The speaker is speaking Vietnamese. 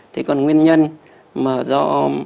thì còn nguyên nhân mà do